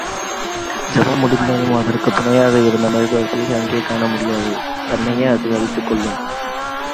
செபம் முடிந்ததும் அதற்குத் துணையாக இருந்த மெழுகுவர்த்தியை அங்கே காணமுடியாது தன்னையே அது அழித்துக்கொள்ளும்.